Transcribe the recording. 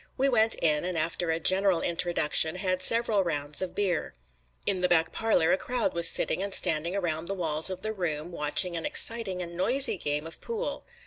We went in and after a general introduction had several rounds of beer. In the back parlor a crowd was sitting and standing around the walls of the room watching an exciting and noisy game of pool.